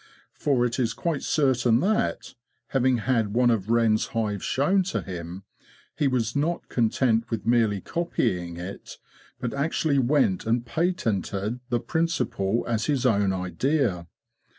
For it is quite certain that, having had one of Wren's hives shown to him, he was not content with merely copying it, but actually went and patented the principle as his own idea.